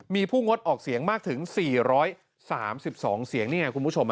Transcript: มีผู้งดออกเสียงมากถึง๔๓๒เสียงนี่ไงคุณผู้ชม